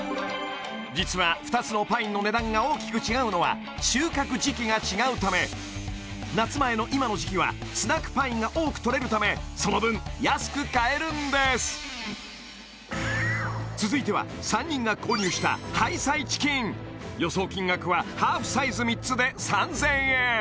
実は２つのパインの値段が大きく違うのは収穫時期が違うため夏前の今の時期はスナックパインが多くとれるためその分安く買えるんです３人が購入したハイサイチキン予想金額はハーフサイズ３つで３０００円